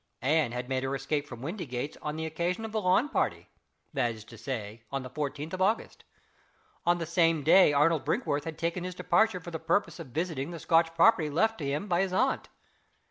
Anne had made her escape from Windygates on the occasion of the lawn party that is to say, on the fourteenth of August. On the same day Arnold Brinkworth had taken his departure for the purpose of visiting the Scotch property left to him by his aunt.